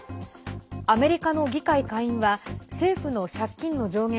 アメリカの議会下院は政府の借金の上限